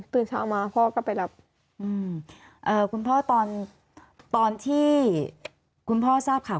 เช้ามาพ่อก็ไปรับคุณพ่อตอนตอนที่คุณพ่อทราบข่าว